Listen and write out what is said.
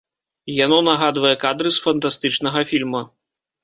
Яно нагадвае кадры з фантастычнага фільма.